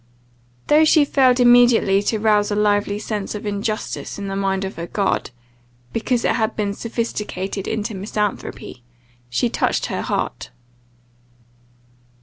Though she failed immediately to rouse a lively sense of injustice in the mind of her guard, because it had been sophisticated into misanthropy, she touched her heart.